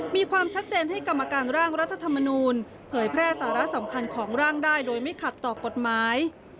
มีความชัดเจนให้กรรมการร่างรัฐธรรมนูลเผยแพร่สาระสำคัญของร่างได้โดยไม่ขัดต่อกฎหมาย